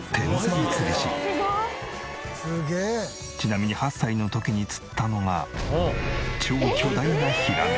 ちなみに８歳の時に釣ったのが超巨大なヒラメ。